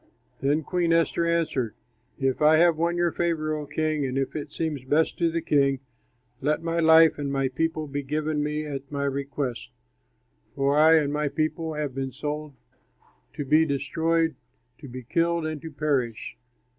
Then Queen Esther answered, "If I have won your favor, O king, and if it seems best to the king, let my life and my people be given me at my request, for I and my people have been sold to be destroyed, to be killed, and to perish!"